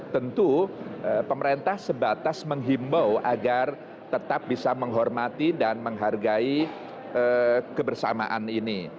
tentu pemerintah sebatas menghimbau agar tetap bisa menghormati dan menghargai kebersamaan ini